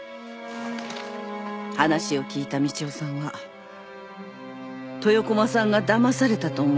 話を聞いた道夫さんは豊駒さんがだまされたと思い。